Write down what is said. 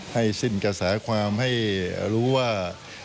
ให้สิ้นกระแสความให้รู้ว่า